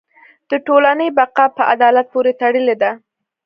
د ټولنې بقاء په عدالت پورې تړلې ده.